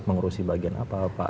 mengurusi bagian apa pak